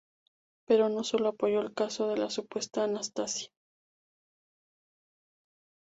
Pero no solo apoyó el caso de la supuesta Anastasia.